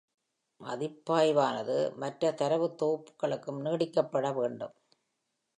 மதிப்பாய்வானது, மற்ற தரவுத் தொகுப்புகளுக்கும் நீட்டிக்கப்பட வேண்டும்.